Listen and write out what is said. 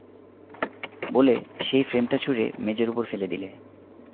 বলে সেই ফ্রেমটা ছুঁড়ে মেজের উপর ফেলে দিলে।